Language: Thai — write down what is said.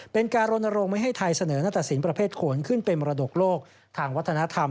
เป็นการรณรงค์ไม่ให้ไทยเสนอนัตรสินประเภทโขนขึ้นเป็นมรดกโลกทางวัฒนธรรม